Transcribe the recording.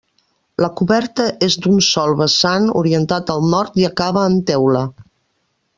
La coberta és d'un sol vessant orientat al nord i acaba en teula.